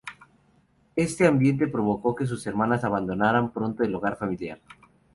Este ambiente provocó que sus hermanas abandonaran pronto el hogar familiar.